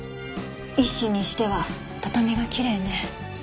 縊死にしては畳がきれいね。